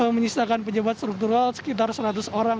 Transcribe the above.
menyisakan pejabat struktural sekitar seratus orang